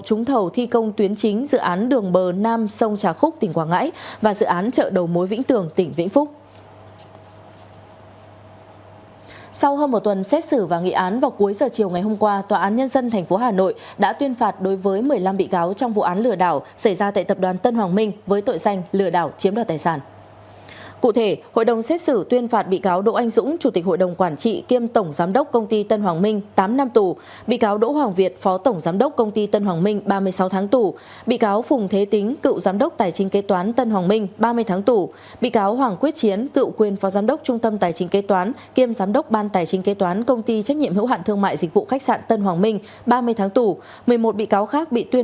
cụ thể hội đồng xét xử tuyên phạt bị cáo đỗ anh dũng chủ tịch hội đồng quản trị kiêm tổng giám đốc công ty tân hoàng minh tám năm tù bị cáo đỗ hoàng việt phó tổng giám đốc công ty tân hoàng minh ba mươi sáu tháng tù bị cáo phùng thế tính cựu giám đốc tài chính kế toán tân hoàng minh ba mươi tháng tù bị cáo hoàng quyết chiến cựu quyền phó giám đốc trung tâm tài chính kế toán kiêm giám đốc ban tài chính kế toán công ty trách nhiệm hữu hạn thương mại dịch vụ khách sạn tân hoàng minh ba mươi tháng tù một mươi một bị cáo khác bị tuy